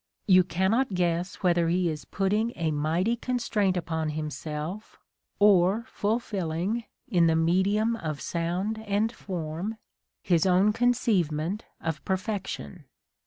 You cannot guess whether he is putting a mighty constraint upon himself, or fulfilling, in the medium of sound and form, his own conceive ment of perfection.